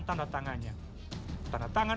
tanda tangannya tanda tangan